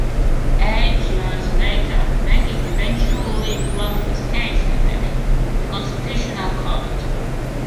Eight years later, Makate eventually won his case in the Constitutional Court.